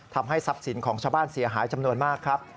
ทำให้ทรัพย์สินของชาวบ้านเสียหายจำนวนมากครับ